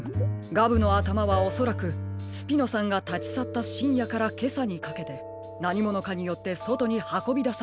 ガブのあたまはおそらくスピノさんがたちさったしんやからけさにかけてなにものかによってそとにはこびだされたのでしょう。